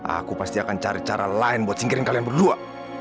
aku pasti akan cari cara lain buat singkirin kalian berdua